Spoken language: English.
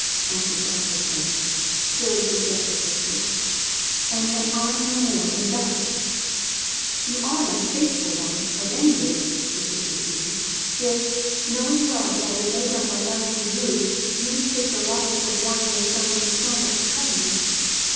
answered back the Prince, still with his dagger lifted; 'and am I no more than that?' 'You are an unfaithful one, at any rate,' persisted Beauty; 'if, knowing well that I would lay down my life for you, you would take the life of one who has done me so much kindness.